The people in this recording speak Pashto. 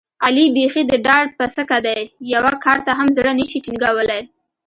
علي بیخي د ډار پسکه دی، یوه کار ته هم زړه نشي ټینګولی.